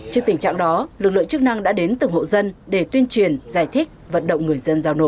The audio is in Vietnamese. trước tình trạng đó lực lượng chức năng đã đến từng hộ dân để tuyên truyền giải thích vận động người dân giao nổ